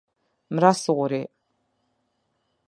Mrasori